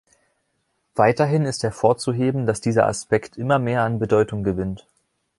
Weiterhin ist hervorzuheben, dass dieser Aspekt immer mehr an Bedeutung gewinnt.